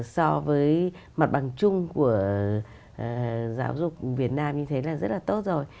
so với mặt bằng chung của giáo dục việt nam như thế là rất là tốt rồi